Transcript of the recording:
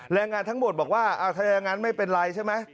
แรงงานทั้งหมดบอกว่าแรงงานไม่เป็นไรใช่ไหม